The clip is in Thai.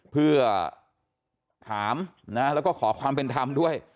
เพื่อถามนะแล้วก็ขอความเป็นธรรมด้วย